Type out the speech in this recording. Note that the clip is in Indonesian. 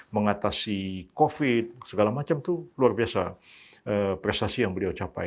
mengatasi covid segala macam itu luar biasa prestasi yang beliau capai